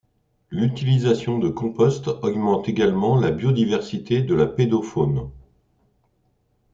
L'utilisation de compost augmente également la biodiversité de la pédofaune.